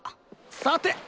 さて！